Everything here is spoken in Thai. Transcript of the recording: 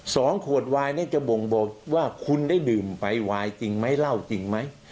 สองขวดวายเนี่ยจะบ่งบอกว่าคุณได้ดื่มไวจริงไหมเหล้าจริงไหม